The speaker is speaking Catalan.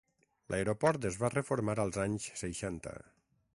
L'aeroport es va reformar als anys seixanta.